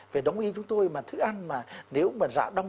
phải đồng ý chúng tôi mà thức ăn mà nếu mà giả đông